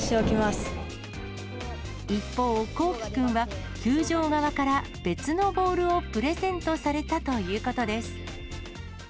一方、こうき君は、球場側から別のボールをプレゼントされたということです。